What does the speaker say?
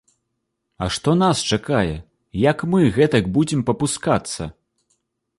А што нас чакае, як мы гэтак будзем папускацца?!